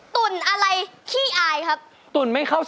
ปล่อยความคิดให้อยู่ในอากาศ